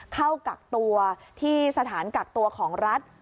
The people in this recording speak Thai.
เข้ากักตัวที่สถานกักตัวของรัฐ